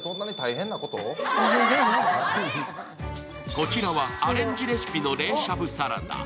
こちらはアレンジレシピの冷しゃぶサラダ。